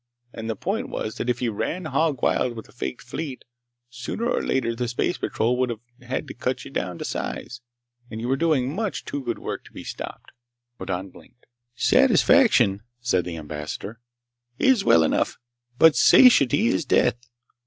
And the point was that if you ran hogwild with a faked fleet, sooner or later the Space Patrol would have to cut you down to size. And you were doing much too good work to be stopped!" Hoddan blinked. "Satisfaction," said the Ambassador, "is well enough. But satiety is death.